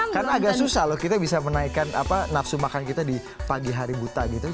kan agak susah loh kita bisa menaikkan nafsu makan kita di pagi hari buta gitu